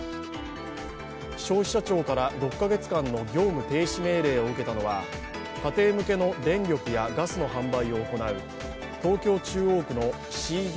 消費者庁から６か月間の業務停止命令を受けたのは、家庭向けの電力やガスの販売を行う東京・中央区のＣＤ